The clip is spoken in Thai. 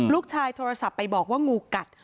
ลูกชายโทรศัพท์ไปบอกว่างูกัด